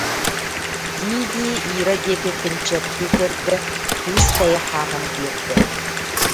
дии-дии Ира диэки кынчыаттыы көрдө, кыыс тэйэ хааман биэрдэ